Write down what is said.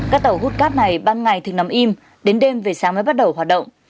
các tàu hút cát này ban ngày thường nằm im đến đêm về sáng mới bắt đầu hoạt động